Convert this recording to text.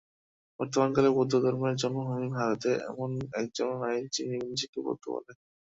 বর্তমানকালে বৌদ্ধধর্মের জন্মভূমি ভারতে এমন একজনও নাই, যিনি নিজেকে বৌদ্ধ বলেন।